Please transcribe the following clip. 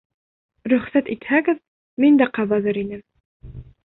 Рөхсәт итһәгеҙ, мин дә ҡабыҙыр инем.